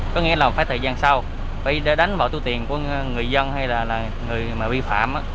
có nghĩa là phải thời gian sau phải đánh vào tiêu tiền của người dân hay là người mà vi phạm